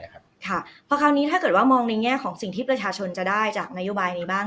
เพราะคราวนี้ถ้าเกิดว่ามองในแง่ของสิ่งที่ประชาชนจะได้จากนโยบายนี้บ้าง